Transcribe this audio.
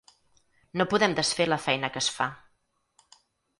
No podem desfer la feina que es fa.